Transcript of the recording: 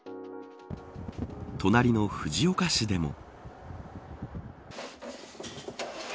隣の藤岡市でも。